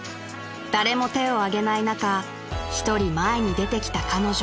［誰も手を挙げない中一人前に出てきた彼女］